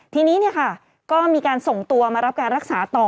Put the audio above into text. ทีนี้ก็มีการส่งตัวมารับการรักษาต่อ